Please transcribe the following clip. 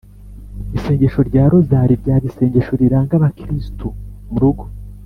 isengesho rya rozali ryaba isengesho riranga abakristu mu rugo,